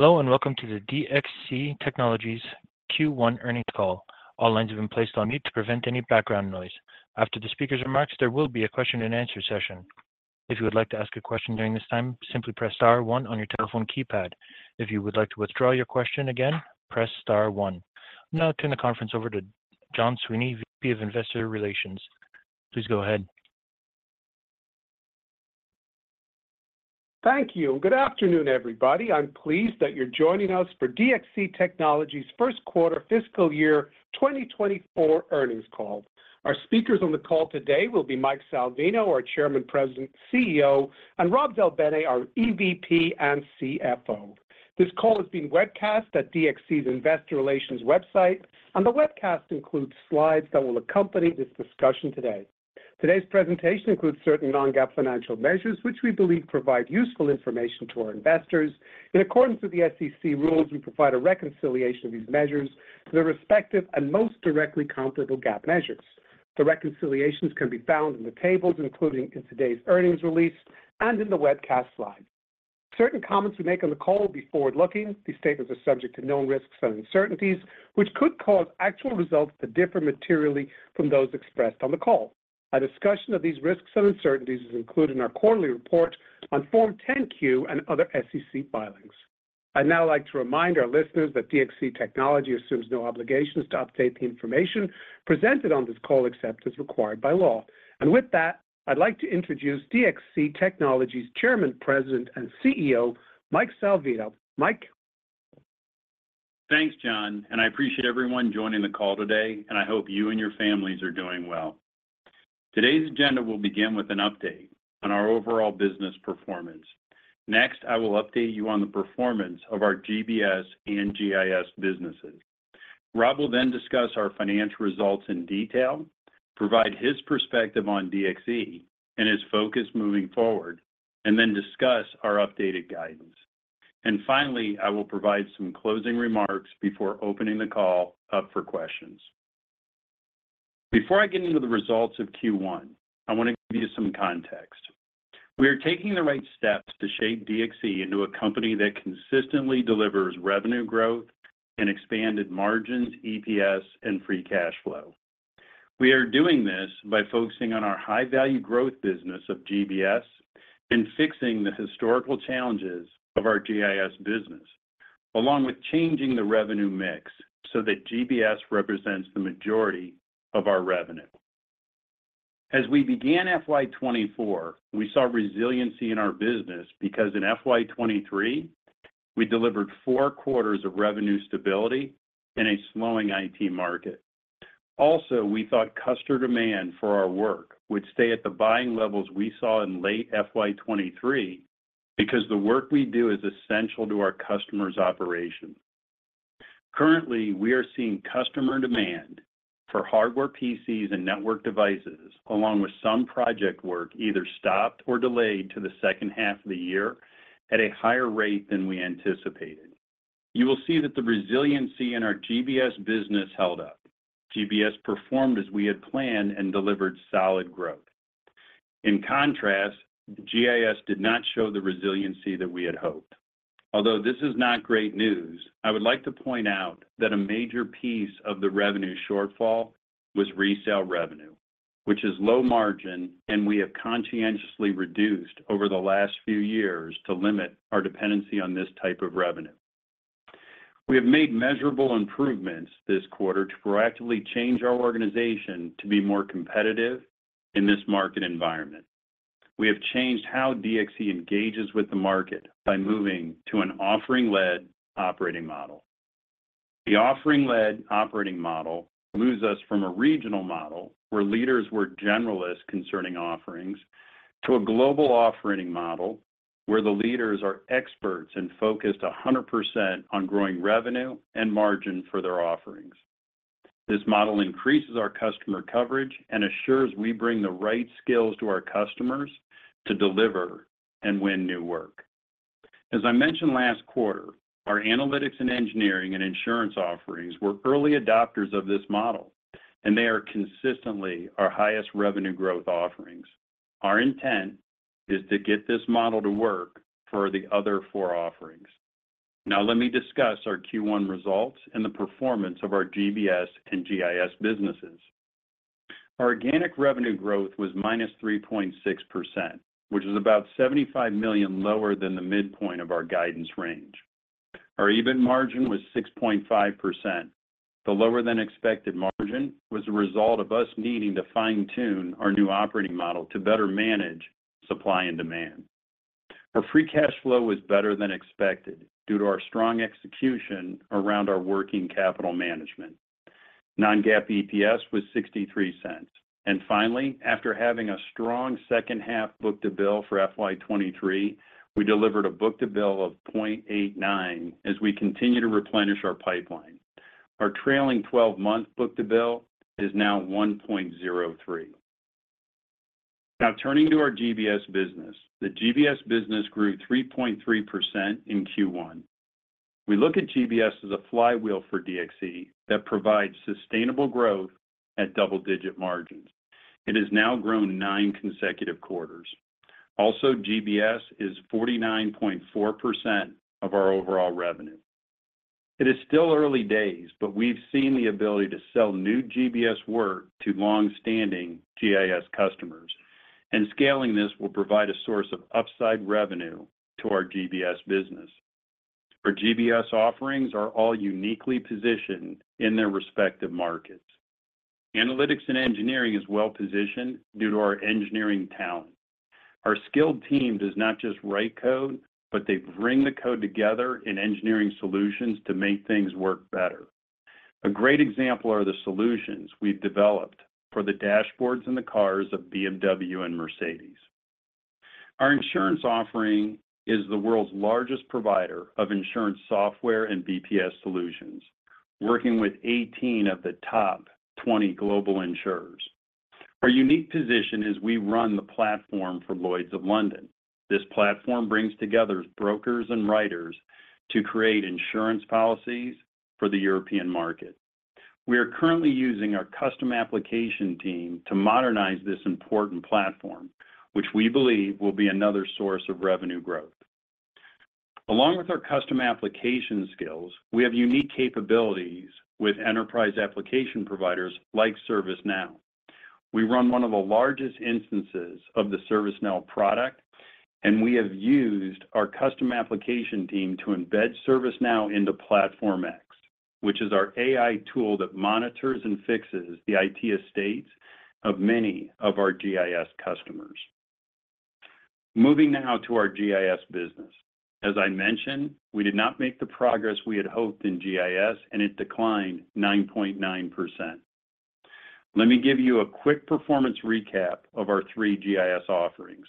Hello, and welcome to the DXC Technology Q1 earnings call. All lines have been placed on mute to prevent any background noise. After the speaker's remarks, there will be a question and answer session. If you would like to ask a question during this time, simply press star one on your telephone keypad. If you would like to withdraw your question again, press star one. I'll now turn the conference over to John Sweeney, VP of Investor Relations. Please go ahead. Thank you. Good afternoon, everybody. I'm pleased that you're joining us for DXC Technology's first quarter fiscal year 2024 earnings call. Our speakers on the call today will be Mike Salvino, our Chairman, President, CEO, and Rob Del Bene, our EVP and CFO. This call is being webcast at DXC's Investor Relations website and the webcast includes slides that will accompany this discussion today. Today's presentation includes certain non-GAAP financial measures, which we believe provide useful information to our investors. In accordance with the SEC rules, we provide a reconciliation of these measures to their respective and most directly comparable GAAP measures. The reconciliations can be found in the tables, including in today's earnings release and in the webcast slide. Certain comments we make on the call will be forward-looking. These statements are subject to known risks and uncertainties, which could cause actual results to differ materially from those expressed on the call. A discussion of these risks and uncertainties is included in our quarterly report on Form 10-Q and other SEC filings. I'd now like to remind our listeners that DXC Technology assumes no obligations to update the information presented on this call, except as required by law. With that, I'd like to introduce DXC Technology's Chairman, President, and CEO, Mike Salvino. Mike? Thanks, John and I appreciate everyone joining the call today and I hope you and your families are doing well. Today's agenda will begin with an update on our overall business performance. Next, I will update you on the performance of our GBS and GIS businesses. Rob will then discuss our financial results in detail, provide his perspective on DXC and his focus moving forward, and then discuss our updated guidance and finally, I will provide some closing remarks before opening the call up for questions. Before I get into the results of Q1, I want to give you some context. We are taking the right steps to shape DXC into a company that consistently delivers revenue growth and expanded margins, EPS, and free cash flow. We are doing this by focusing on our high-value growth business of GBS and fixing the historical challenges of our GIS business, along with changing the revenue mix so that GBS represents the majority of our revenue. As we began FY 2024, we saw resiliency in our business because in FY 2023, we delivered four quarters of revenue stability in a slowing IT market. Also, we thought customer demand for our work would stay at the buying levels we saw in late FY 2023 because the work we do is essential to our customers' operations. Currently, we are seeing customer demand for hardware, PCs, and network devices, along with some project work, either stopped or delayed to the second half of the year at a higher rate than we anticipated. You will see that the resiliency in our GBS business held up. GBS performed as we had planned and delivered solid growth. In contrast, GIS did not show the resiliency that we had hoped. Although this is not great news, I would like to point out that a major piece of the revenue shortfall was resale revenue, which is low-margin, and we have conscientiously reduced over the last few years to limit our dependency on this type of revenue. We have made measurable improvements this quarter to proactively change our organization to be more competitive in this market environment. We have changed how DXC engages with the market by moving to an offering-led operating model. The offering-led operating model moves us from a regional model, where leaders were generalists concerning offerings, to a global offering model, where the leaders are experts and focused 100% on growing revenue and margin for their offerings. This model increases our customer coverage and assures we bring the right skills to our customers to deliver and win new work. As I mentioned last quarter, our analytics and engineering and insurance offerings were early adopters of this model, and they are consistently our highest revenue growth offerings. Our intent is to get this model to work for the other four offerings. Now, let me discuss our Q1 results and the performance of our GBS and GIS businesses. Our organic revenue growth was -3.6%, which is about $75 million lower than the midpoint of our guidance range. Our EBIT margin was 6.5%. The lower-than-expected margin was a result of us needing to fine-tune our new operating model to better manage supply and demand. Our free cash flow was better than expected due to our strong execution around our working capital management. Non-GAAP EPS was $0.63. And finally, after having a strong second-half book-to-bill for FY 2023, we delivered a book-to-bill of 0.89, as we continue to replenish our pipeline. Our trailing 12-month book-to-bill is now 1.03. Now, turning to our GBS business. The GBS business grew 3.3% in Q1. We look at GBS as a flywheel for DXC that provides sustainable growth at double-digit margins.... It has now grown nine consecutive quarters. Also, GBS is 49.4% of our overall revenue. It is still early days, but we've seen the ability to sell new GBS work to long-standing GIS customers, and scaling this will provide a source of upside revenue to our GBS business. Our GBS offerings are all uniquely positioned in their respective markets. Analytics and engineering is well-positioned due to our engineering talent. Our skilled team does not just write code, but they bring the code together in engineering solutions to make things work better. A great example are the solutions we've developed for the dashboards in the cars of BMW and Mercedes. Our insurance offering is the world's largest provider of insurance software and BPS solutions, working with 18 of the top 20 global insurers. Our unique position is we run the platform for Lloyd's of London. This platform brings together brokers and writers to create insurance policies for the European market. We are currently using our custom application team to modernize this important platform, which we believe will be another source of revenue growth. Along with our custom application skills, we have unique capabilities with enterprise application providers like ServiceNow. We run one of the largest instances of the ServiceNow product, and we have used our custom application team to embed ServiceNow into Platform X, which is our AI tool that monitors and fixes the IT estates of many of our GIS customers. Moving now to our GIS business. As I mentioned, we did not make the progress we had hoped in GIS, and it declined 9.9%. Let me give you a quick performance recap of our three GIS offerings.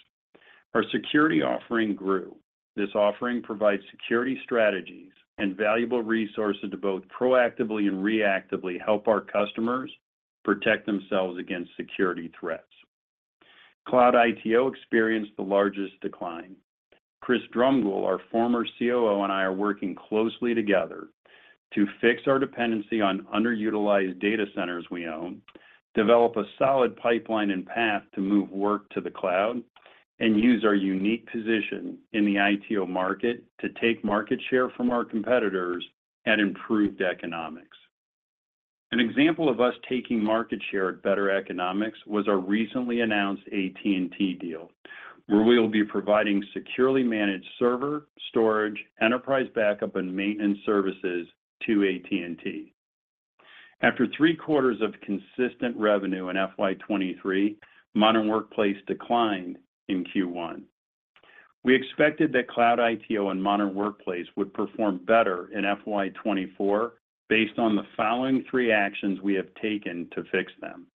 Our security offering grew. This offering provides security strategies and valuable resources to both proactively and reactively help our customers protect themselves against security threats. Cloud ITO experienced the largest decline. Chris Drumgoole, our former COO, and I are working closely together to fix our dependency on underutilized data centers we own, develop a solid pipeline and path to move work to the cloud and use our unique position in the ITO market to take market share from our competitors at improved economics. An example of us taking market share at better economics was our recently announced AT&T deal, where we will be providing securely managed server, storage, enterprise backup, and maintenance services to AT&T. After three quarters of consistent revenue in FY 2023, Modern Workplace declined in Q1. We expected that Cloud ITO and Modern Workplace would perform better in FY 2024, based on the following three actions we have taken to fix them.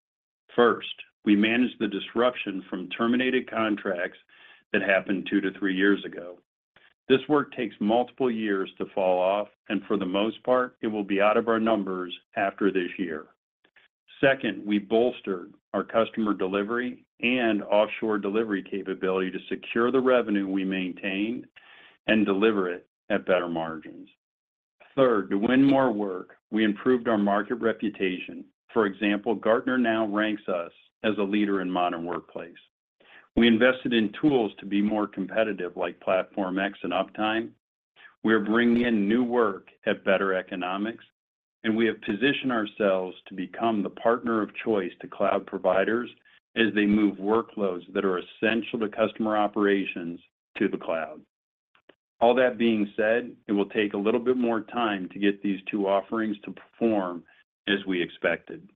First, we managed the disruption from terminated contracts that happened 2-3 years ago. This work takes multiple years to fall off, and for the most part, it will be out of our numbers after this year. Second, we bolstered our customer delivery and offshore delivery capability to secure the revenue we maintain and deliver it at better margins. Third, to win more work, we improved our market reputation. For example, Gartner now ranks us as a leader in modern workplace. We invested in tools to be more competitive, like Platform X and UPtime. We are bringing in new work at better economics, and we have positioned ourselves to become the partner of choice to cloud providers as they move workloads that are essential to customer operations to the cloud. All that being said, it will take a little bit more time to get these two offerings to perform as we expected.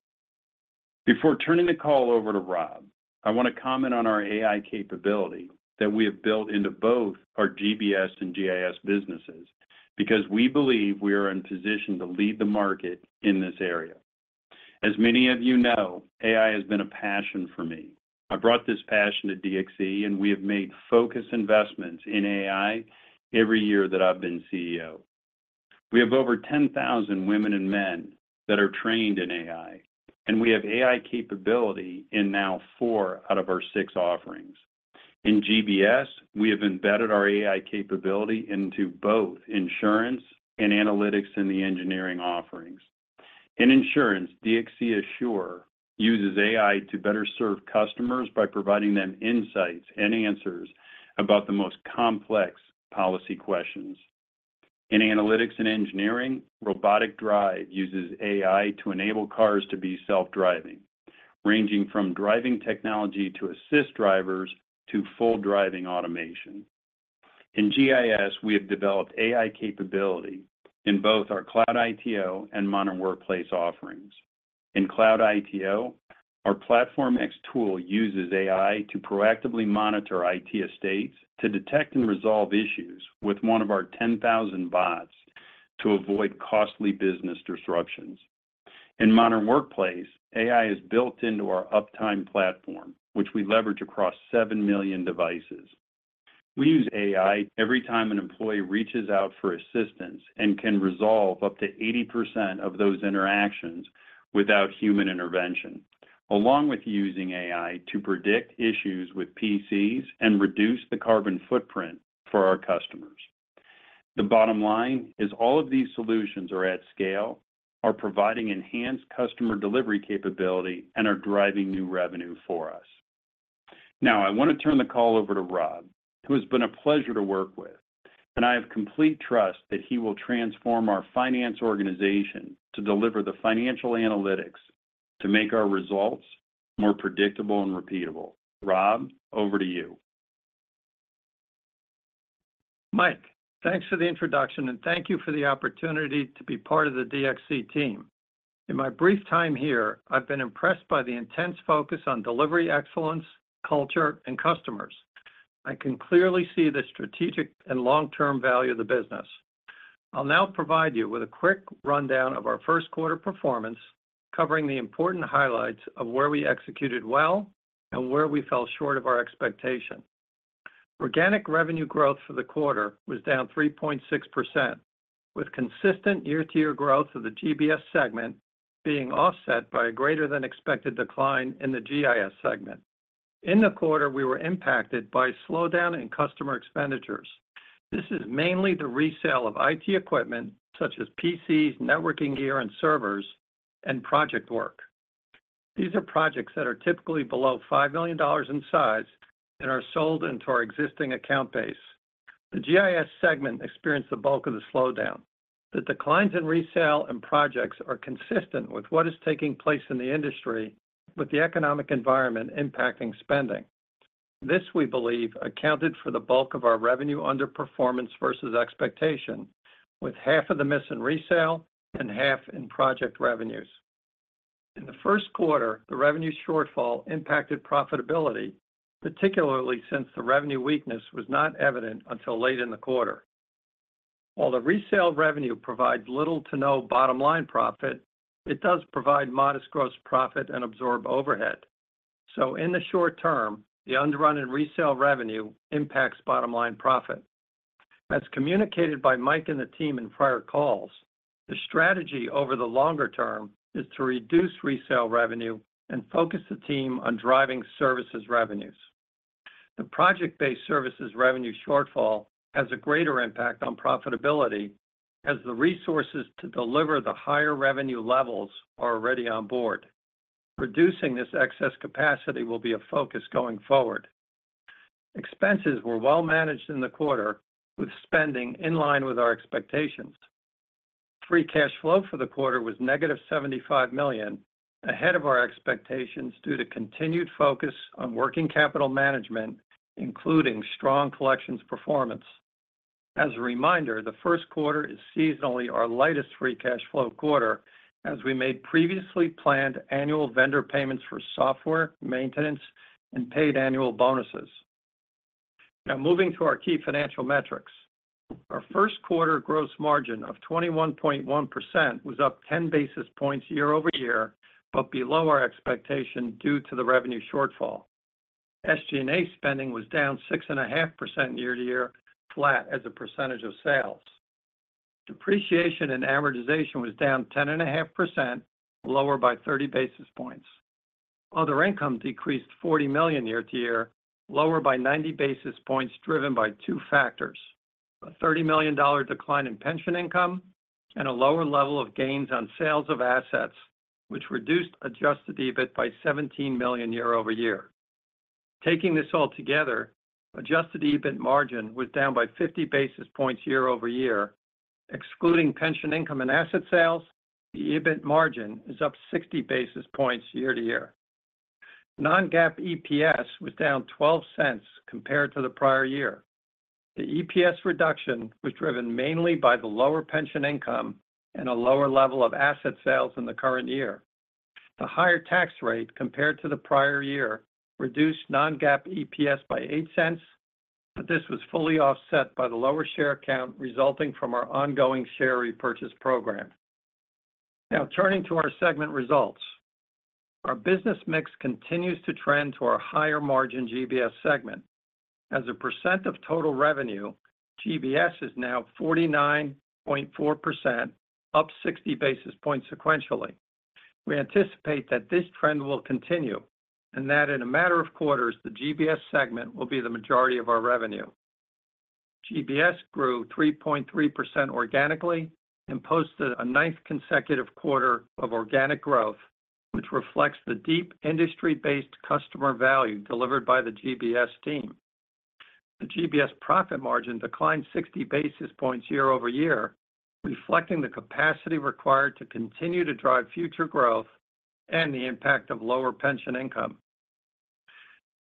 Before turning the call over to Rob, I want to comment on our AI capability that we have built into both our GBS and GIS businesses, because we believe we are in position to lead the market in this area. As many of you know, AI has been a passion for me. I brought this passion to DXC, and we have made focused investments in AI every year that I've been CEO. We have over 10,000 women and men that are trained in AI, and we have AI capability in now four out of our six offerings. In GBS, we have embedded our AI capability into both insurance and analytics in the engineering offerings. In insurance, DXC Assure uses AI to better serve customers by providing them insights and answers about the most complex policy questions. In analytics and engineering, Robotic Drive uses AI to enable cars to be self-driving, ranging from driving technology to assist drivers to full driving automation. In GIS, we have developed AI capability in both our Cloud ITO and Modern Workplace offerings. In Cloud ITO, our Platform X tool uses AI to proactively monitor IT estates to detect and resolve issues with one of our 10,000 bots to avoid costly business disruptions. In Modern Workplace, AI is built into our UPtime platform, which we leverage across 7 million devices. We use AI every time an employee reaches out for assistance and can resolve up to 80% of those interactions without human intervention, along with using AI to predict issues with PCs and reduce the carbon footprint for our customers. The bottom line is all of these solutions are at scale, are providing enhanced customer delivery capability, and are driving new revenue for us. Now, I want to turn the call over to Rob, who has been a pleasure to work with, and I have complete trust that he will transform our finance organization to deliver the financial analytics to make our results more predictable and repeatable. Rob, over to you. Mike, thanks for the introduction, and thank you for the opportunity to be part of the DXC team. In my brief time here, I've been impressed by the intense focus on delivery excellence, culture, and customers. I can clearly see the strategic and long-term value of the business. I'll now provide you with a quick rundown of our first quarter performance, covering the important highlights of where we executed well and where we fell short of our expectation. Organic revenue growth for the quarter was down 3.6%, with consistent year-to-year growth of the GBS segment being offset by a greater than expected decline in the GIS segment. In the quarter, we were impacted by a slowdown in customer expenditures. This is mainly the resale of IT equipment, such as PCs, networking gear, and servers, and project work. These are projects that are typically below $5 million in size and are sold into our existing account base. The GIS segment experienced the bulk of the slowdown. The declines in resale and projects are consistent with what is taking place in the industry, with the economic environment impacting spending. This, we believe, accounted for the bulk of our revenue underperformance versus expectation, with half of the miss in resale and half in project revenues. In the first quarter, the revenue shortfall impacted profitability, particularly since the revenue weakness was not evident until late in the quarter. While the resale revenue provides little to no bottom line profit, it does provide modest gross profit and absorb overhead. So in the short term, the underrun in resale revenue impacts bottom line profit. As communicated by Mike and the team in prior calls, the strategy over the longer term is to reduce resale revenue and focus the team on driving services revenues. The project-based services revenue shortfall has a greater impact on profitability, as the resources to deliver the higher revenue levels are already on board. Reducing this excess capacity will be a focus going forward. Expenses were well managed in the quarter, with spending in line with our expectations. Free cash flow for the quarter was negative $75 million, ahead of our expectations, due to continued focus on working capital management, including strong collections performance. As a reminder, the first quarter is seasonally our lightest free cash flow quarter, as we made previously planned annual vendor payments for software, maintenance, and paid annual bonuses. Now, moving to our key financial metrics. Our first quarter gross margin of 21.1% was up 10 basis points year-over-year, below our expectation due to the revenue shortfall. SG&A spending was down 6.5% year-to-year, flat as a percentage of sales. Depreciation and amortization was down 10.5%, lower by 30 basis points. Other income decreased $40 million year-to-year, lower by 90 basis points, driven by two factors: a $30 million decline in pension income and a lower level of gains on sales of assets, which reduced adjusted EBIT by $17 million year-over-year. Taking this all together, adjusted EBIT margin was down by 50 basis points year-over-year. Excluding pension income and asset sales, the EBIT margin is up 60 basis points year-to-year. Non-GAAP EPS was down $0.12 compared to the prior year. The EPS reduction was driven mainly by the lower pension income and a lower level of asset sales in the current year. The higher tax rate compared to the prior year reduced non-GAAP EPS by $0.08, but this was fully offset by the lower share count resulting from our ongoing share repurchase program. Turning to our segment results. Our business mix continues to trend to our higher-margin GBS segment. As a percent of total revenue, GBS is now 49.4%, up 60 basis points sequentially. We anticipate that this trend will continue, and that in a matter of quarters, the GBS segment will be the majority of our revenue. GBS grew 3.3% organically and posted a ninth consecutive quarter of organic growth, which reflects the deep industry-based customer value delivered by the GBS team. The GBS profit margin declined 60 basis points year-over-year, reflecting the capacity required to continue to drive future growth and the impact of lower pension income.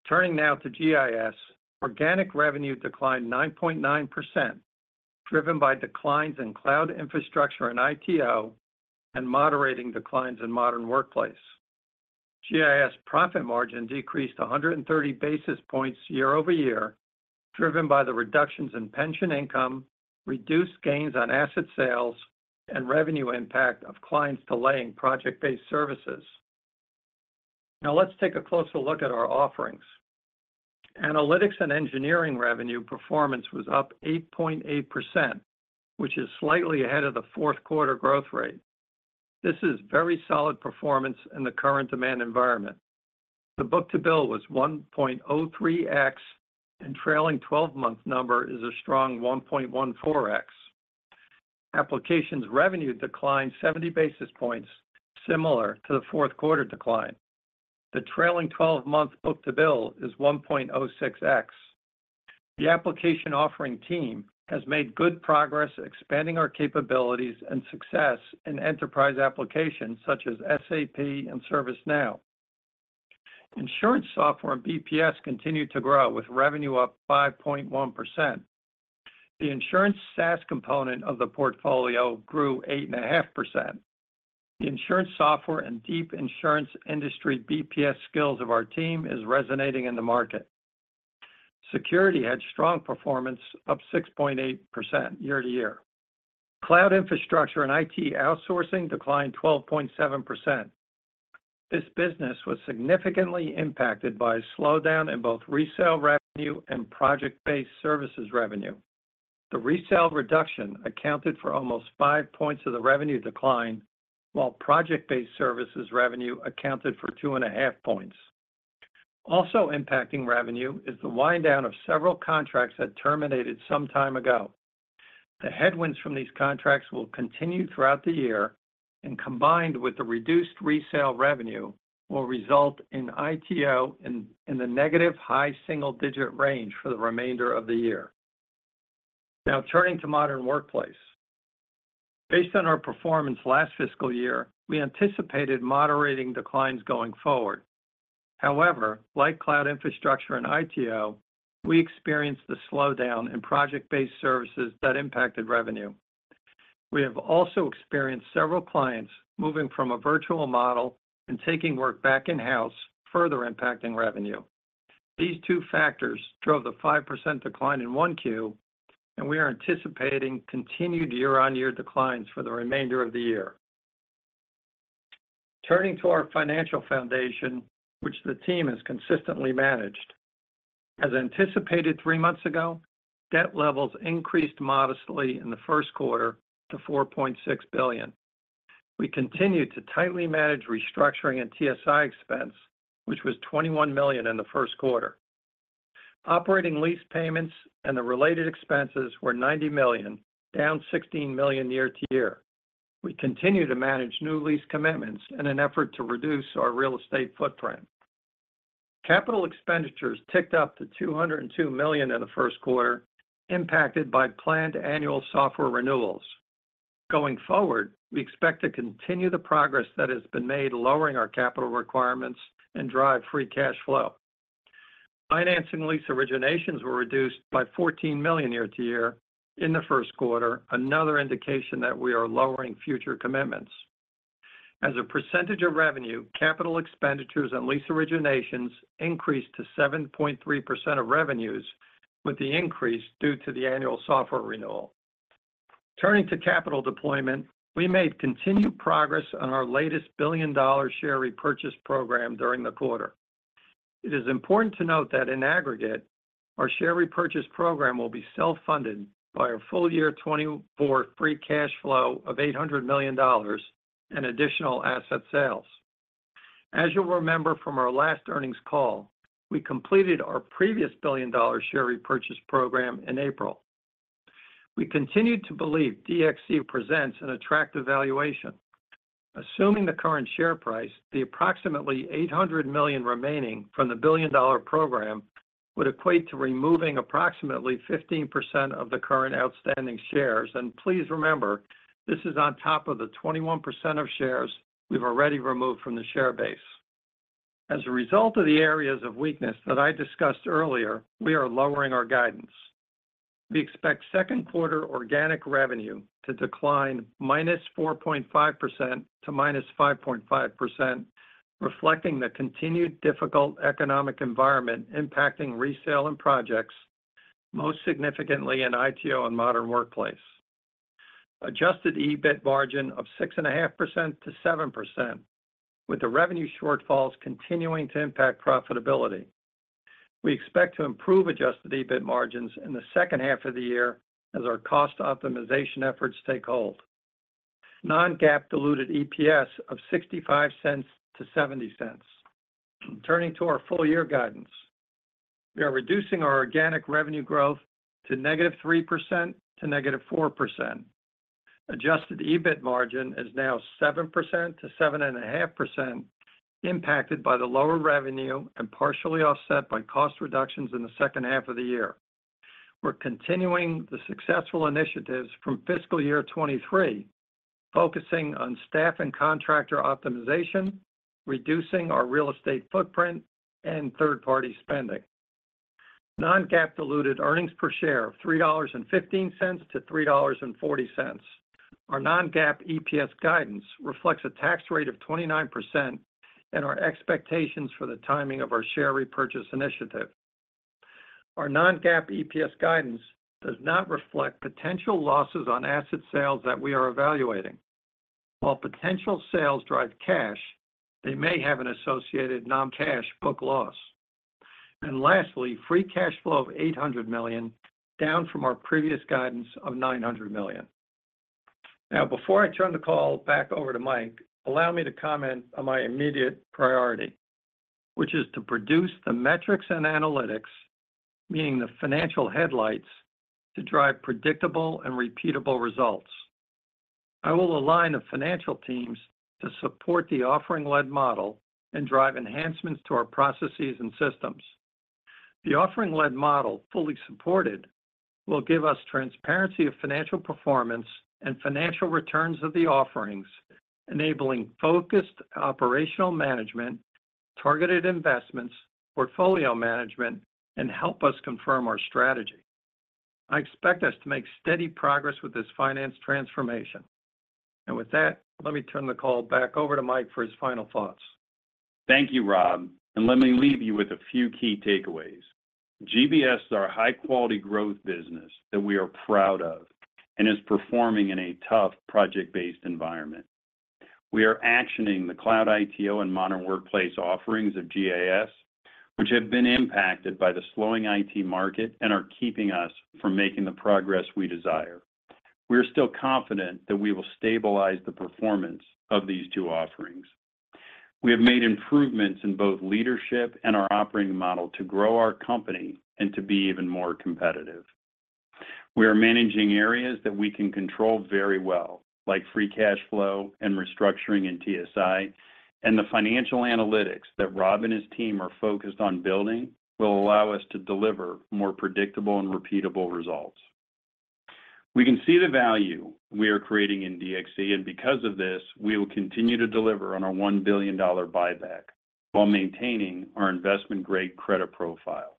Turning now to GIS. Organic revenue declined 9.9%, driven by declines in Cloud infrastructure and ITO and moderating declines in modern workplace. GIS profit margin decreased 130 basis points year-over-year, driven by the reductions in pension income, reduced gains on asset sales and revenue impact of clients delaying project-based services. Now let's take a closer look at our offerings. Analytics and engineering revenue performance was up 8.8%, which is slightly ahead of the fourth quarter growth rate. This is very solid performance in the current demand environment. The book-to-bill was 1.03x and trailing 12-month number is a strong 1.14x. Applications revenue declined 70 basis points, similar to the fourth quarter decline. The trailing twelve-month book-to-bill is 1.06x. The application offering team has made good progress expanding our capabilities and success in enterprise applications such as SAP and ServiceNow. Insurance software and BPS continued to grow, with revenue up 5.1%. The insurance SaaS component of the portfolio grew 8.5%. The insurance software and deep insurance industry BPS skills of our team is resonating in the market. Security had strong performance, up 6.8% year-to-year. Cloud infrastructure and IT outsourcing declined 12.7%. This business was significantly impacted by a slowdown in both resale revenue and project-based services revenue. The resale reduction accounted for almost 5 points of the revenue decline, while project-based services revenue accounted for 2.5 points. Also impacting revenue is the wind down of several contracts that terminated some time ago. The headwinds from these contracts will continue throughout the year and combined with the reduced resale revenue will result in ITO in the negative high single-digit range for the remainder of the year. Now turning to Modern Workplace. Based on our performance last fiscal year, we anticipated moderating declines going forward. Like cloud infrastructure and ITO, we experienced a slowdown in project-based services that impacted revenue. We have also experienced several clients moving from a virtual model and taking work back in-house, further impacting revenue. These two factors drove the 5% decline in 1Q, we are anticipating continued year-on-year declines for the remainder of the year. Turning to our financial foundation, which the team has consistently managed. As anticipated 3 months ago, debt levels increased modestly in the first quarter to $4.6 billion. We continued to tightly manage restructuring and TSI expense, which was $21 million in the first quarter. Operating lease payments and the related expenses were $90 million, down $16 million year-to-year. We continue to manage new lease commitments in an effort to reduce our real estate footprint. Capital expenditures ticked up to $202 million in the first quarter, impacted by planned annual software renewals. Going forward, we expect to continue the progress that has been made, lowering our capital requirements and drive free cash flow. Financing lease originations were reduced by $14 million year-to-year in the first quarter, another indication that we are lowering future commitments. As a percentage of revenue, capital expenditures and lease originations increased to 7.3% of revenues, with the increase due to the annual software renewal. Turning to capital deployment, we made continued progress on our latest billion-dollar share repurchase program during the quarter. It is important to note that in aggregate, our share repurchase program will be self-funded by our full year 2024 free cash flow of $800 million and additional asset sales. As you'll remember from our last earnings call, we completed our previous billion-dollar share repurchase program in April. We continue to believe DXC presents an attractive valuation. Assuming the current share price, the approximately $800 million remaining from the billion-dollar program would equate to removing approximately 15% of the current outstanding shares. And please remember, this is on top of the 21% of shares we've already removed from the share base. As a result of the areas of weakness that I discussed earlier, we are lowering our guidance. We expect second quarter organic revenue to decline -4.5% to -5.5%, reflecting the continued difficult economic environment impacting resale and projects, most significantly in ITO and Modern Workplace. Adjusted EBIT margin of 6.5% to 7%, with the revenue shortfalls continuing to impact profitability. We expect to improve adjusted EBIT margins in the second half of the year as our cost optimization efforts take hold. Non-GAAP diluted EPS of $0.65 to $0.70. Turning to our full-year guidance, we are reducing our organic revenue growth to -3% to -4%. Adjusted EBIT margin is now 7% to 7.5%, impacted by the lower revenue and partially offset by cost reductions in the second half of the year. We're continuing the successful initiatives from fiscal year 2023, focusing on staff and contractor optimization, reducing our real estate footprint and third-party spending. Non-GAAP diluted earnings per share of $3.15 to $3.40. Our non-GAAP EPS guidance reflects a tax rate of 29% and our expectations for the timing of our share repurchase initiative. Our non-GAAP EPS guidance does not reflect potential losses on asset sales that we are evaluating. While potential sales drive cash, they may have an associated non-cash book loss. And lastly, free cash flow of $800 million, down from our previous guidance of $900 million. Now, before I turn the call back over to Mike, allow me to comment on my immediate priority, which is to produce the metrics and analytics, meaning the financial headlights, to drive predictable and repeatable results. I will align the financial teams to support the offering-led model and drive enhancements to our processes and systems. The offering-led model, fully supported, will give us transparency of financial performance and financial returns of the offerings, e`nabling focused operational management, targeted investments, portfolio management, and help us confirm our strategy. I expect us to make steady progress with this finance transformation. With that, let me turn the call back over to Mike for his final thoughts. Thank you, Rob, and let me leave you with a few key takeaways. GBS is our high-quality growth business that we are proud of and is performing in a tough project-based environment. We are actioning the Cloud ITO and Modern Workplace offerings of GIS, which have been impacted by the slowing IT market and are keeping us from making the progress we desire. We are still confident that we will stabilize the performance of these two offerings. We have made improvements in both leadership and our operating model to grow our company and to be even more competitive. We are managing areas that we can control very well, like free cash flow and restructuring in TSI, and the financial analytics that Rob and his team are focused on building will allow us to deliver more predictable and repeatable results. We can see the value we are creating in DXC, and because of this, we will continue to deliver on our $1 billion buyback while maintaining our investment-grade credit profile.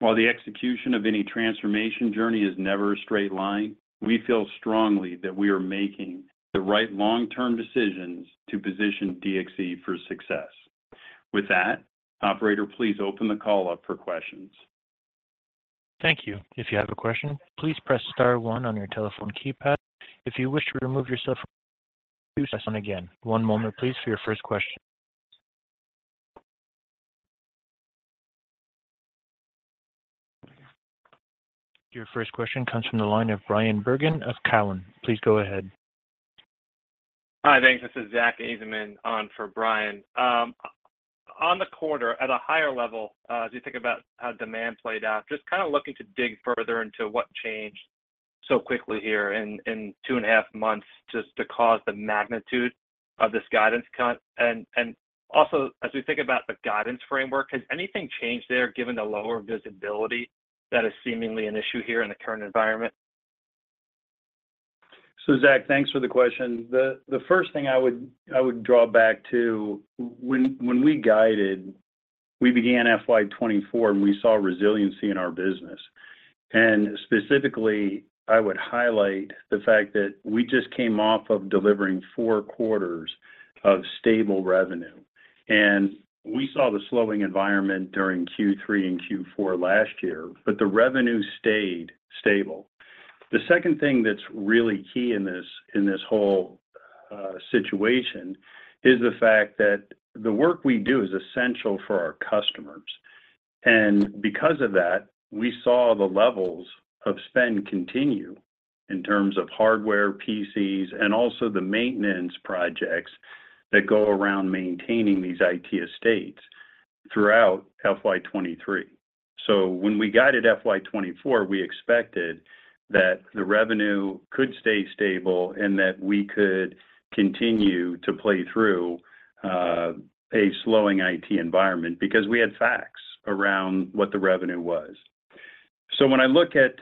While the execution of any transformation journey is never a straight line, we feel strongly that we are making the right long-term decisions to position DXC for success. With that, operator, please open the call up for questions. Thank you. If you have a question, please press star one on your telephone keypad. If you wish to remove yourself, do press one again. One moment please, for your first question. Your first question comes from the line of Brian Bergen of Cowen. Please go ahead. Hi, thanks. This is Zach Asman on for Brian. On the quarter, at a higher level, as you think about how demand played out, just kind of looking to dig further into what changed so quickly here in, in two and a half months, just to cause the magnitude of this guidance cut. And also, as we think about the guidance framework, has anything changed there, given the lower visibility that is seemingly an issue here in the current environment? So Zach, thanks for the question. The first thing I would draw back to, when we guided, we began FY 2024, we saw resiliency in our business and specifically, I would highlight the fact that we just came off of delivering four quarters of stable revenue and we saw the slowing environment during Q3 and Q4 last year, the revenue stayed stable. The second thing that's really key in this, in this whole situation is the fact that the work we do is essential for our customers and because of that, we saw the levels of spend continue in terms of hardware, PCs, and also the maintenance projects that go around maintaining these IT estates throughout FY 2023. So when we guided FY 2024, we expected that the revenue could stay stable and that we could continue to play through a slowing IT environment because we had facts around what the revenue was. When I look at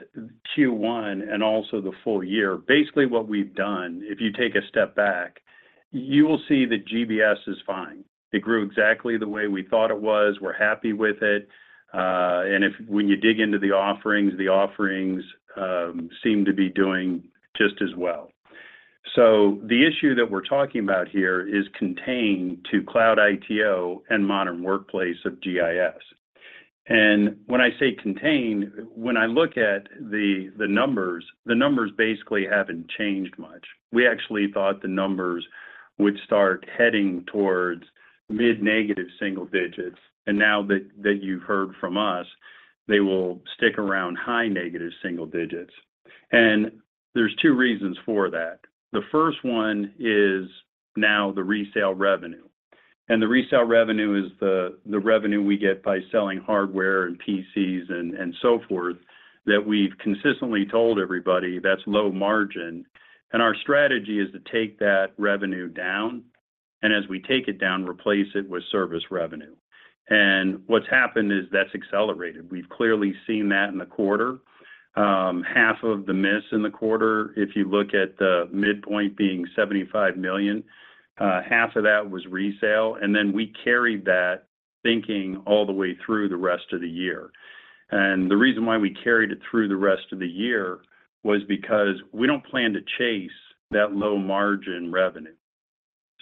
Q1 and also the full year, basically what we've done, if you take a step back, you will see that GBS is fine. It grew exactly the way we thought it was. We're happy with it. And if when you dig into the offerings, the offerings seem to be doing just as well so t` he issue that we're talking about here is contained to Cloud ITO and Modern Workplace of GIS. When I say contained, when I look at the numbers, the numbers basically haven't changed much. We actually thought the numbers would start heading towards mid-negative single digits, and now that, that you've heard from us, they will stick around high negative single digits. There's two reasons for that. The first one is now the resale revenue, and the resale revenue is the revenue we get by selling hardware and PCs and so forth, that we've consistently told everybody that's low margin. Our strategy is to take that revenue down, and as we take it down, replace it with service revenue. What's happened is that's accelerated. We've clearly seen that in the quarter. Half of the miss in the quarter, if you look at the midpoint being $75 million, half of that was resale. Then we carried that thinking all the way through the rest of the year. And the reason why we carried it through the rest of the year was because we don't plan to chase that low-margin revenue.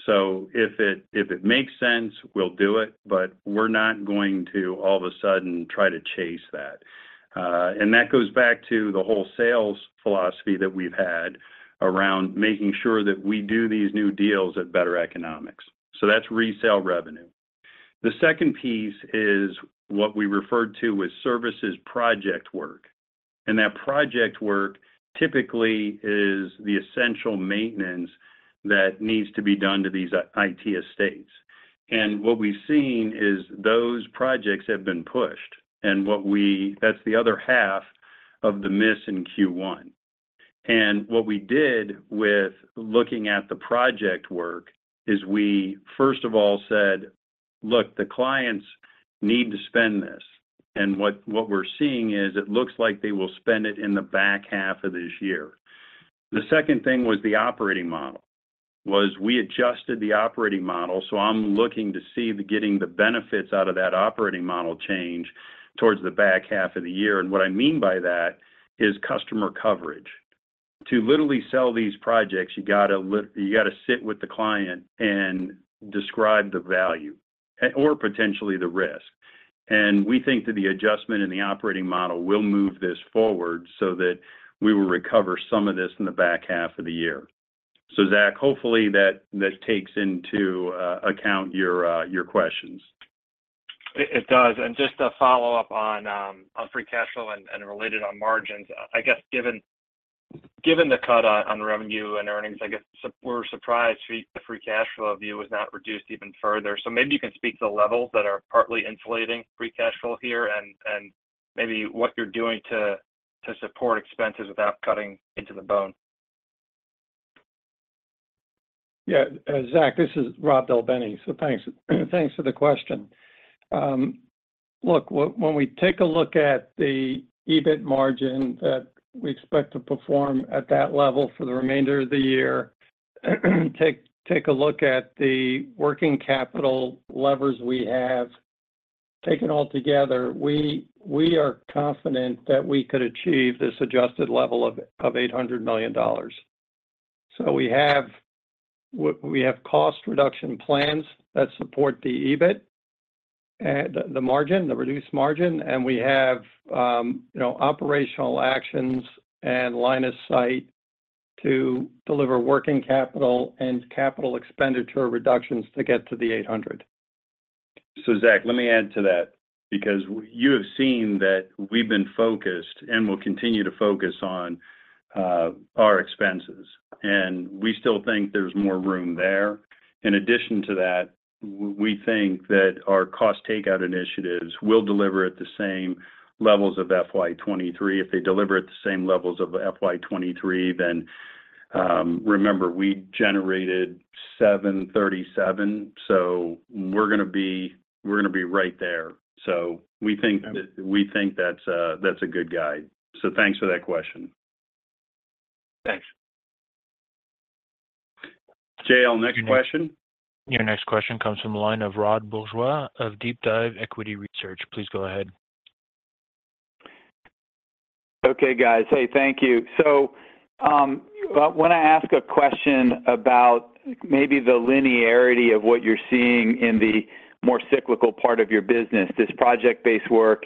If it, if it makes sense, we'll do it, but we're not going to all of a sudden try to chase that. That goes back to the whole sales philosophy that we've had around making sure that we do these new deals at better economics. That's resale revenue. The second piece is what we referred to as services project work, and that project work typically is the essential maintenance that needs to be done to these IT estates and what we've seen is those projects have been pushed, and that's the other half of the miss in Q1. And what we did with looking at the project work is we, first of all, said, "Look, the clients need to spend this," and what, what we're seeing is it looks like they will spend it in the back half of this year. The second thing was the operating model, was we adjusted the operating model, so I'm looking to see the getting the benefits out of that operating model change towards the back half of the year. What I mean by that is customer coverage. To literally sell these projects, you gotta sit with the client and describe the value, or potentially the risk and w`e think that the adjustment in the operating model will move this forward so that we will recover some of this in the back half of the year. Zach, hopefully that, that takes into account your questions. It, it does. Just a follow-up on, on free cash flow and, and related on margins. I guess, given, given the cut on, on revenue and earnings, I guess, so we're surprised to see the free cash flow of you was not reduced even further. Maybe you can speak to the levels that are partly insulating free cash flow here and, and maybe what you're doing to, to support expenses without cutting into the bone. Yeah, Zach, this is Rob DelBene. Thanks, thanks for the question. Look, when we take a look at the EBIT margin that we expect to perform at that level for the remainder of the year, take, take a look at the working capital levers we have. Taken all together, we, we are confident that we could achieve this adjusted level of $800 million. So we have cost reduction plans that support the EBIT, the margin, the reduced margin, and we have, you know, operational actions and line of sight to deliver working capital and capital expenditure reductions to get to the $800. So Zach, let me add to that because you have seen that we've been focused and will continue to focus on our expenses and we still think there's more room there. In addition to that, we think that our cost takeout initiatives will deliver at the same levels of FY 2023. If they deliver at the same levels of FY 2023, then, remember, we generated $737, so we're gonna be right there. So we think that. Yeah. We think that's a good guide. Thanks for that question. Thanks. JL, next question. Your next question comes from the line of Rod Bourgeois of DeepDive Equity Research. Please go ahead. Okay, guys. Hey, thank you. So when I ask a question about maybe the linearity of what you're seeing in the more cyclical part of your business, this project-based work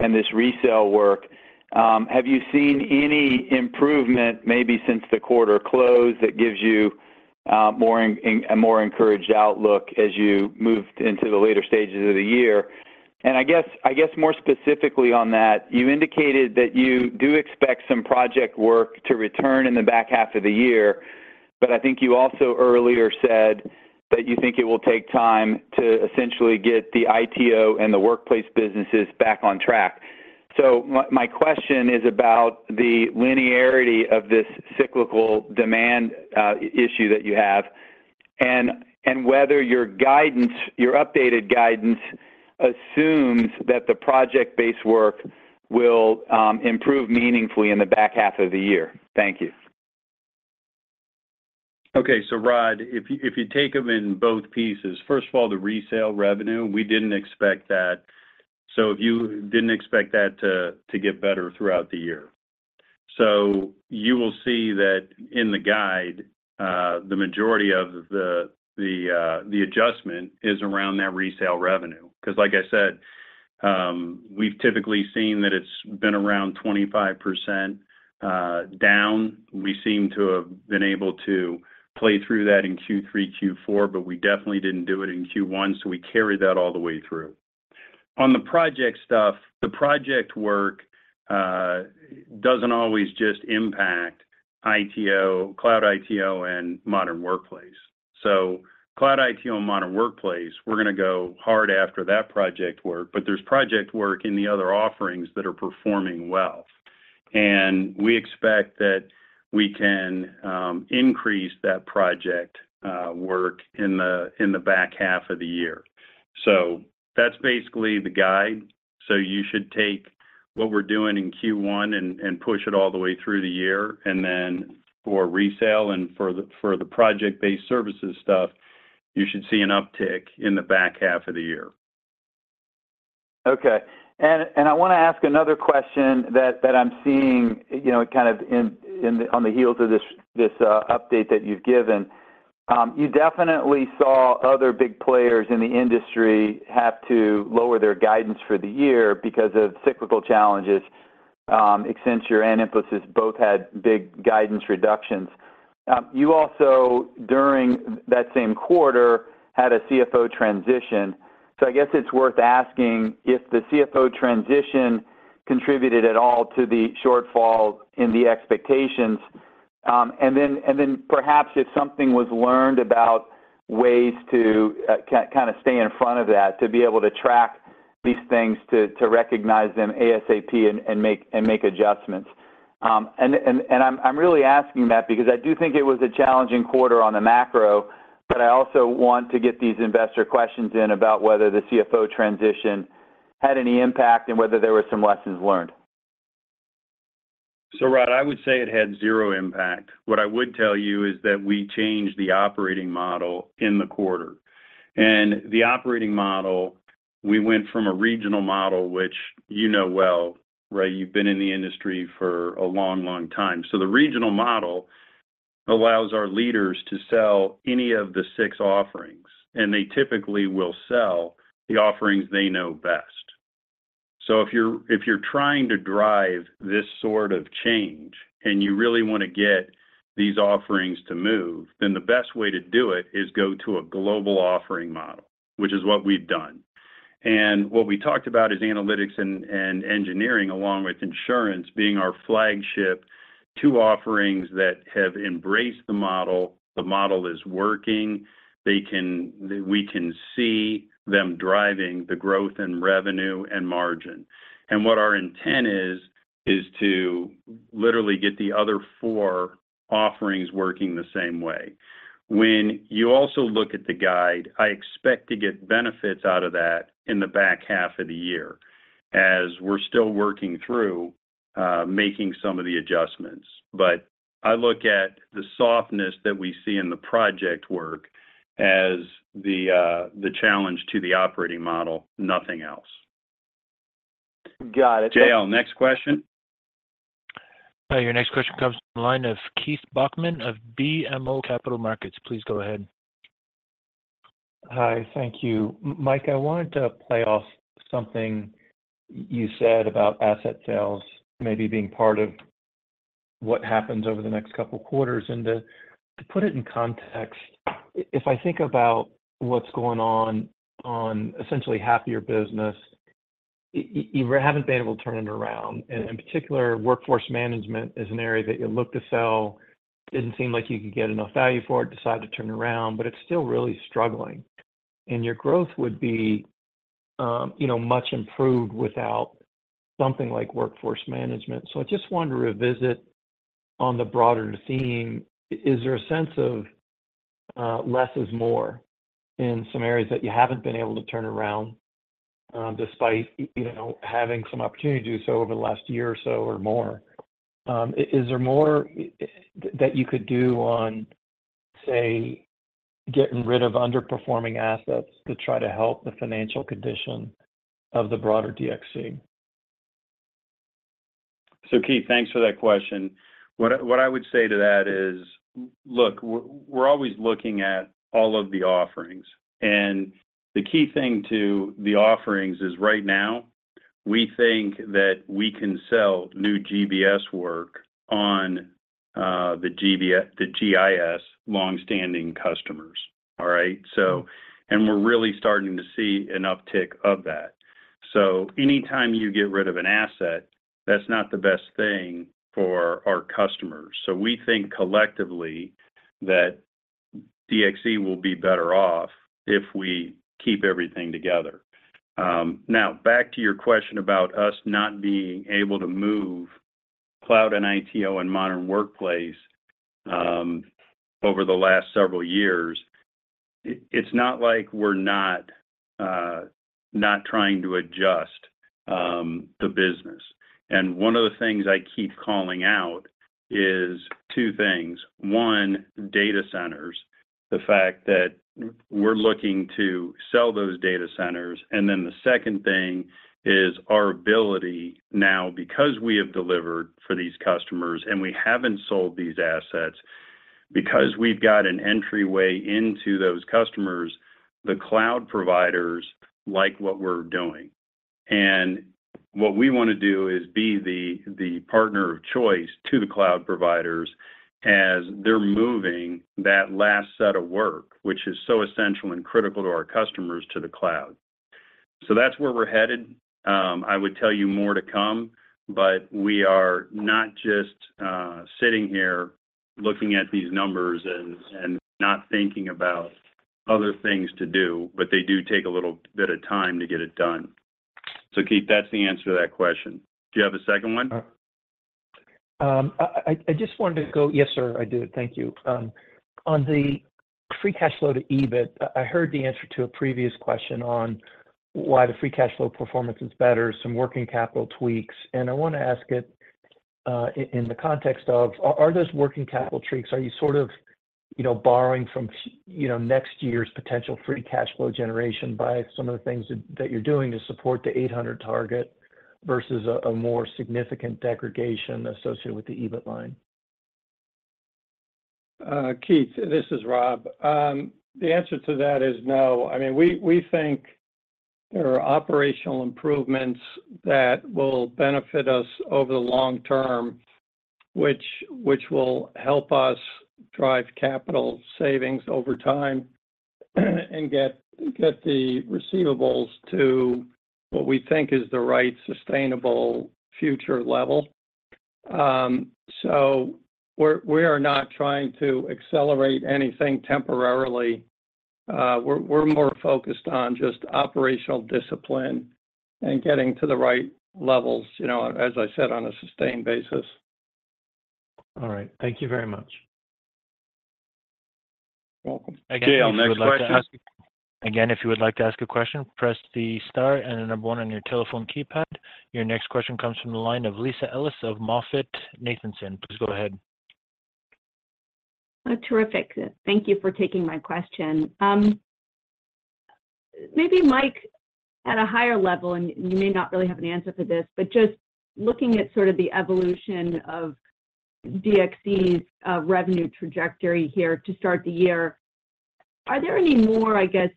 and this resale work, have you seen any improvement, maybe since the quarter closed, that gives you a more encouraged outlook as you moved into the later stages of the year and I guess more specifically on that, you indicated that you do expect some project work to return in the back half of the year, but I think you also earlier said that you think it will take time to essentially get the ITO and the workplace businesses back on track. My question is about the linearity of this cyclical demand, issue that you have, and whether your guidance, your updated guidance assumes that the project-based work will improve meaningfully in the back half of the year? Thank you. Okay, Rod, if you, if you take them in both pieces, first of all, the resale revenue, we didn't expect that so if you didn't expect that to, to get better throughout the year. So you will see that in the guide, the majority of the adjustment is around that resale revenue, because like I said, we've typically seen that it's been around 25% down. We seem to have been able to play through that in Q3, Q4, but we definitely didn't do it in Q1, so we carried that all the way through. On the project stuff, the project work doesn't always just impact ITO, Cloud ITO, and Modern Workplace. Cloud ITO and Modern Workplace, we're gonna go hard after that project work, but there's project work in the other offerings that are performing well. And we expect that we can increase that project work in the, in the back half of the year. So that's basically the guide. So you should take what we're doing in Q1 and, and push it all the way through the year, and then for resale and for the, for the project-based services stuff, you should see an uptick in the back half of the year. Okay. I wanna ask another question that, that I'm seeing, you know, kind of in, in, on the heels of this, this update that you've given. You definitely saw other big players in the industry have to lower their guidance for the year because of cyclical challenges. Accenture and Infosys both had big guidance reductions. You also, during that same quarter, had a CFO transition. So I guess it's worth asking if the CFO transition contributed at all to the shortfall in the expectations. Then, and then perhaps if something was learned about ways to kind of stay in front of that, to be able to track these things, to, to recognize them ASAP and, and make, and make adjustments. And i'm really asking that because I do think it was a challenging quarter on the macro, but I also want to get these investor questions in about whether the CFO transition had any impact and whether there were some lessons learned. So Rod, I would say it had zero impact. What I would tell you is that we changed the operating model in the quarter. The operating model, we went from a regional model, which you know well, Ray, you've been in the industry for a long, long time. The regional model allows our leaders to sell any of the 6 offerings, and they typically will sell the offerings they know best. If you're, if you're trying to drive this sort of change, and you really want to get these offerings to move, then the best way to do it is go to a global offering model, which is what we've done and what we talked about is analytics and and engineering, along with insurance, being our flagship 2 offerings that have embraced the model. The model is working. They can-- we can see them driving the growth in revenue and margin. What our intent is, is to literally get the other four offerings working the same way. When you also look at the guide, I expect to get benefits out of that in the back half of the year, as we're still working through, making some of the adjustments. I look at the softness that we see in the project work as the, the challenge to the operating model, nothing else. Got it. JL, next question. Your next question comes from the line of Keith Bachman of BMO Capital Markets. Please go ahead. Hi, thank you. Mike, I wanted to play off something you said about asset sales maybe being part of what happens over the next couple quarters. To put it in context, if I think about what's going on, on essentially half your business, you haven't been able to turn it around. In particular, workforce management is an area that you looked to sell, didn't seem like you could get enough value for it, decided to turn around, but it's still really struggling. Your growth would be, you know, much improved without something like workforce management. I just wanted to revisit on the broader theme, is there a sense of less is more in some areas that you haven't been able to turn around, despite, you know, having some opportunity to do so over the last year or so or more? Is there more that you could do on, say, getting rid of underperforming assets to try to help the financial condition of the broader DXC? Keith, thanks for that question. What I, what I would say to that is, look, we're always looking at all of the offerings, and the key thing to the offerings is, right now, we think that we can sell new GBS work on the GBS the GIS longstanding customers. All right so and we're really starting to see an uptick of that. So anytime you get rid of an asset, that's not the best thing for our customers so we think collectively that DXC will be better off if we keep everything together. Now, back to your question about us not being able to move cloud and ITO and Modern Workplace, over the last several years, it's not like we're not not trying to adjust the business. And one of the things I keep calling out is 2 things: 1, data centers, the fact that we're looking to sell those data centers, then the second thing is our ability now, because we have delivered for these customers, and we haven't sold these assets, because we've got an entryway into those customers, the cloud providers like what we're doing. And what we want to do is be the partner of choice to the cloud providers as they're moving that last set of work, which is so essential and critical to our customers, to the cloud. So that's where we're headed. I would tell you more to come, but we are not just sitting here looking at these numbers and not thinking about other things to do, but they do take a little bit of time to get it done. Keith, that's the answer to that question. Do you have a second one? I just wanted to go... Yes, sir, I do. Thank you. On the free cash flow to EBIT, I heard the answer to a previous question on why the free cash flow performance is better, some working capital tweaks, and I want to ask it, in the context of are those working capital tweaks, are you sort of, you know, borrowing from you know, next year's potential free cash flow generation by some of the things that, that you're doing to support the $800 target versus a, a more significant degradation associated with the EBIT line? Keith, this is Rob. The answer to that is no. I mean, we, we think-... There are operational improvements that will benefit us over the long term, which, which will help us drive capital savings over time and get, get the receivables to what we think is the right sustainable future level. So we're, we are not trying to accelerate anything temporarily. We're, we're more focused on just operational discipline and getting to the right levels, you know, as I said, on a sustained basis. All right. Thank thank you very much. Welcome. Again, if you would like to ask- Again, if you would like to ask a question, press the star and the 1 on your telephone keypad. Your next question comes from the line of Lisa Ellis of MoffettNathanson. Please go ahead. Oh, terrific. Thank you for taking my question. maybe, Mike, at a higher level, and you may not really have an answer for this, but just looking at sort of the evolution of DXC's revenue trajectory here to start the year, are there any more, I guess,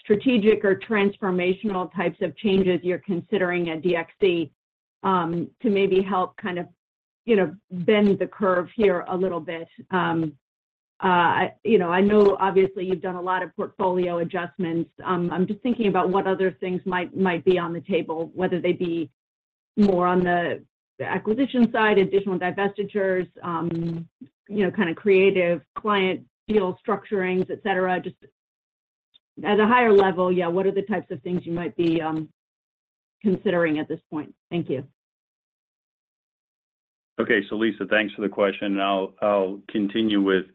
strategic or transformational types of changes you're considering at DXC, to maybe help kind of, you know, bend the curve here a little bit? I, you know, I know obviously you've done a lot of portfolio adjustments. I'm just thinking about what other things might, might be on the table, whether they be more on the, the acquisition side, additional divestitures, you know, kind of creative client deal structurings, et cetera. Just at a higher level, yeah, what are the types of things you might be, considering at this point? Thank you. Okay, so Lisa, thanks for the question, and I'll continue with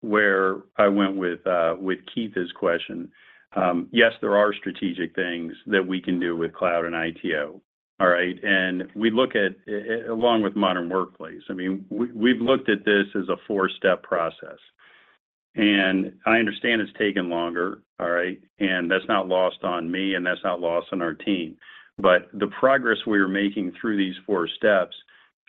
where I went with Keith's question. Yes, there are strategic things that we can do with cloud and ITO, all right and we look at, along with Modern Workplace. I mean, we've looked at this as a 4-step process, and I understand it's taken longer, all right and that's not lost on me, and that's not lost on our team. But the progress we are making through these 4 steps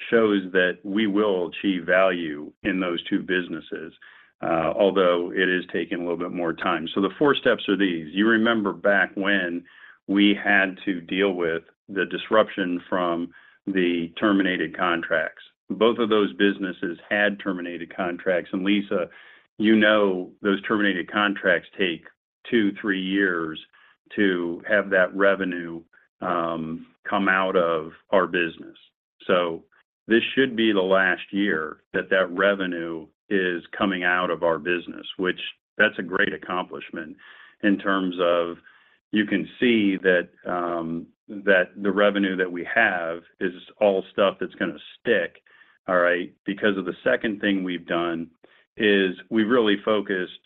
shows that we will achieve value in those 2 businesses, although it is taking a little bit more time. The 4 steps are these: You remember back when we had to deal with the disruption from the terminated contracts. Both of those businesses had terminated contracts. Lisa, you know, those terminated contracts take 2-3 years to have that revenue come out of our business. So this should be the last year that that revenue is coming out of our business, which that's a great accomplishment in terms of you can see that the revenue that we have is all stuff that's gonna stick, all right? Because of the second thing we've done is we've really focused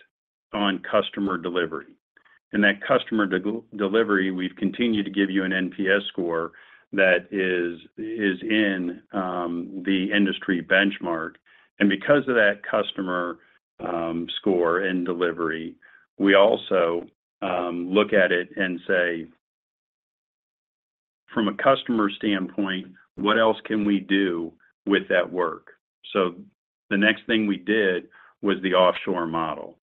on customer delivery. And the customer delivery, we've continued to give you an NPS score that is, is in the industry benchmark. And because of that customer score and delivery, we also look at it and say, "From a customer standpoint, what else can we do with that work?" So the next thing we did was the offshore model.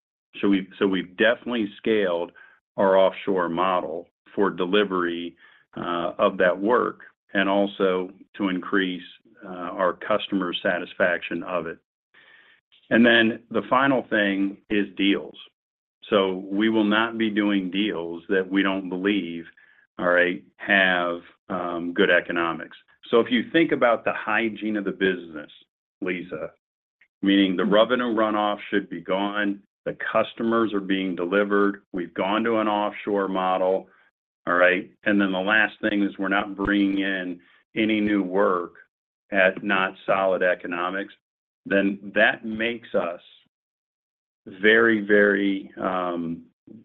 We, so we've definitely scaled our offshore model for delivery of that work and also to increase our customer satisfaction of it. And the final thing is deals. So we will not be doing deals that we don't believe, all right, have good economics. So If you think about the hygiene of the business, Lisa, meaning the revenue runoff should be gone, the customers are being delivered, we've gone to an offshore model. All right and the last thing is we're not bringing in any new work at not solid economics, then that makes us very, very,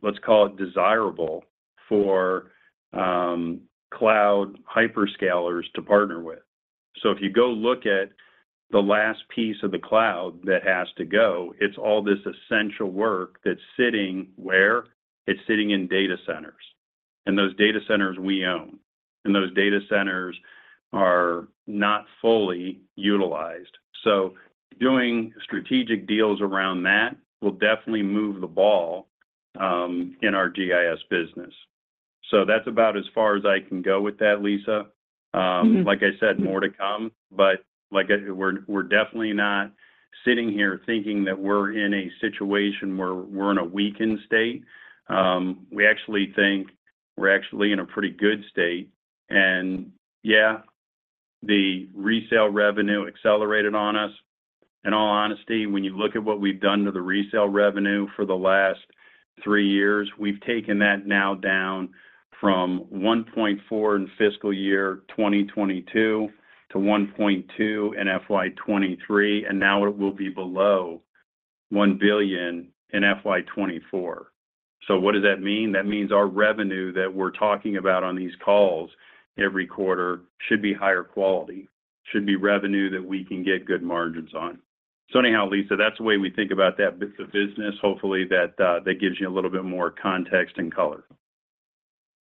let's call it desirable for cloud hyperscalers to partner with. So if you go look at the last piece of the cloud that has to go, it's all this essential work that's sitting where? It's sitting in data centers, and those data centers we own, and those data centers are not fully utilized. Doing strategic deals around that will definitely move the ball in our GIS business. That's about as far as I can go with that, Lisa. Mm-hmm. Like I said, more to come, but like I... We're, we're definitely not sitting here thinking that we're in a situation where we're in a weakened state. We actually think we're actually in a pretty good state. And yeah, the resale revenue accelerated on us. In all honesty, when you look at what we've done to the resale revenue for the last three years, we've taken that now down from $1.4 in fiscal year 2022 to $1.2 in FY 2023, and now it will be below $1 billion in FY 2024. What does that mean? That means our revenue that we're talking about on these calls every quarter should be higher quality, should be revenue that we can get good margins on. Anyhow, Lisa, that's the way we think about that bits of business. Hopefully, that, that gives you a little bit more context and color.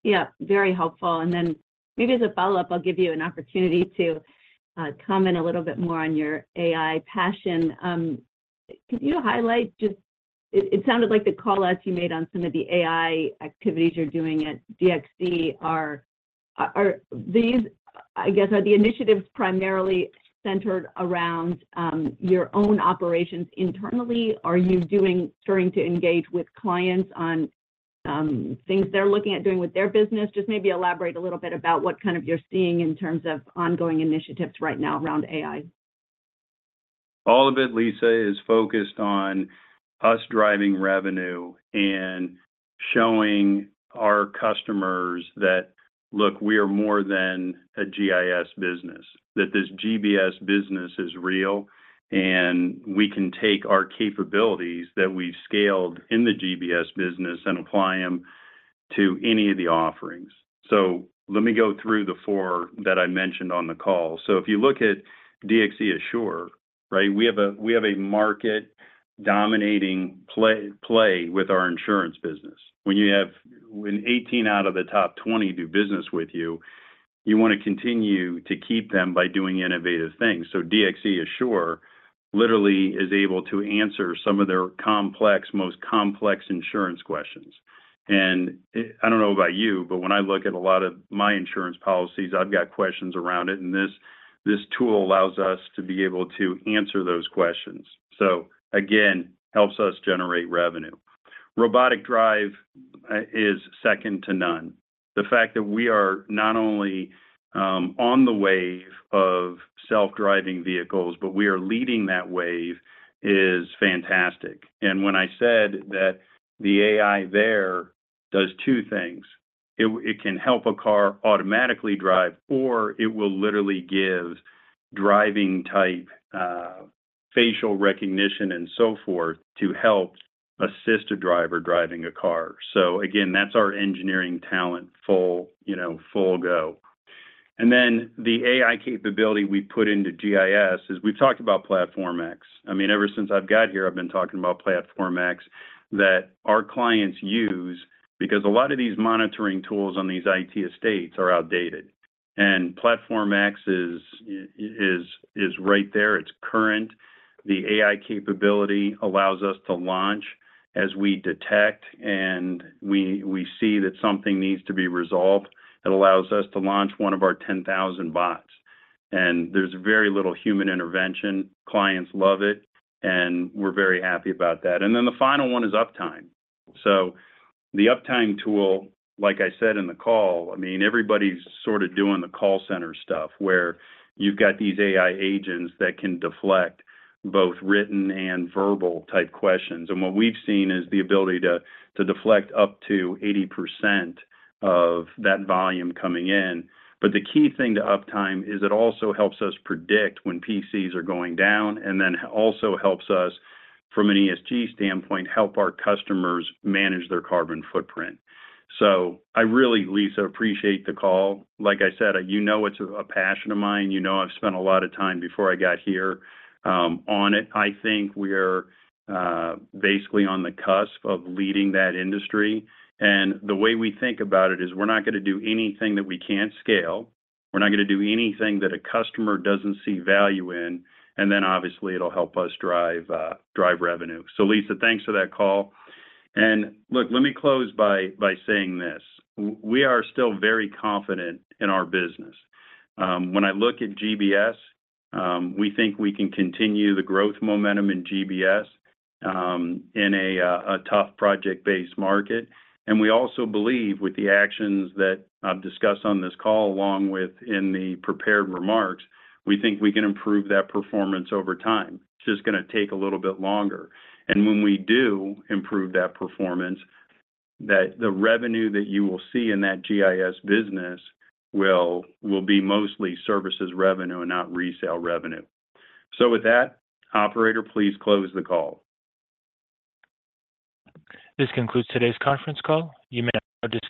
Yeah, very helpful. Then maybe as a follow-up, I'll give you an opportunity to comment a little bit more on your AI passion. Could you highlight just, it, it sounded like the call outs you made on some of the AI activities you're doing at DXC are, are, are these, I guess, are the initiatives primarily centered around your own operations internally? Are you doing- starting to engage with clients on things they're looking at doing with their business? Just maybe elaborate a little bit about what kind of you're seeing in terms of ongoing initiatives right now around AI? All of it, Lisa, is focused on us driving revenue and showing our customers that, look, we are more than a GIS business, that this GBS business is real and we can take our capabilities that we've scaled in the GBS business and apply them to any of the offerings. Let me go through the four that I mentioned on the call. If you look at DXC Assure, right? We have a, we have a market-dominating play, play with our insurance business. When you have... When 18 out of the top 20 do business with you, you want to continue to keep them by doing innovative things. DXC Assure literally is able to answer some of their complex, most complex insurance questions. And I don't know about you, but when I look at a lot of my insurance policies, I've got questions around it, and this, this tool allows us to be able to answer those questions. Again, helps us generate revenue. Robotic Drive is 2nd to none. The fact that we are not only on the wave of self-driving vehicles, but we are leading that wave is fantastic. When I said that the AI there does two things: it, it can help a car automatically drive, or it will literally give driving-type facial recognition and so forth to help assist a driver driving a car. Again, that's our engineering talent full, you know, full go. And the AI capability we put into GIS is we've talked about Platform X. I mean, ever since I've got here, I've been talking about Platform X that our clients use, because a lot of these monitoring tools on these IT estates are outdated and Platform X is, is, is right there. It's current. The AI capability allows us to launch as we detect, and we, we see that something needs to be resolved. It allows us to launch one of our 10,000 bots and there's very little human intervention. Clients love it, and we're very happy about that. Then the final one is UPtime. The UPtime tool, like I said in the call, I mean, everybody's sort of doing the call center stuff, where you've got these AI agents that can deflect both written and verbal-type questions. What we've seen is the ability to, to deflect up to 80% of that volume coming in. The key thing to UPtime is it also helps us predict when PCs are going down, and then also helps us, from an ESG standpoint, help our customers manage their carbon footprint. I really, Lisa, appreciate the call. Like I said, you know it's a passion of mine. You know I've spent a lot of time before I got here, on it I think we're basically on the cusp of leading that industry and the way we think about it is, we're not going to do anything that we can't scale. We're not going to do anything that a customer doesn't see value in and then obviously, it'll help us drive, drive revenue. Lisa, thanks for that call. Look, let me close by, by saying this: we are still very confident in our business. When I look at GBS, we think we can continue the growth momentum in GBS and in a tough project-based market. We also believe with the actions that I've discussed on this call, along with in the prepared remarks, we think we can improve that performance over time. It's just going to take a little bit longer. And when we do improve that performance, the revenue that you will see in that GIS business will be mostly services revenue and not resale revenue. With that, operator, please close the call. This concludes today's conference call. You may now disconnect.